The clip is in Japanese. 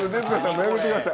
もうやめてください。